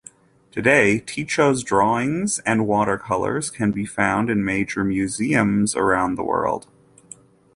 Today, Ticho's drawings and watercolors can be found in major museums around the world.